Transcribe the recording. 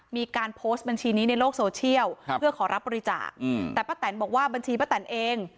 มีการโพสต์บัญชีนี้ในโลกโซเชียลเพื่อขอรับบริจาคแต่ป้าแตนบอกว่าบัญชีป้าแตนเอง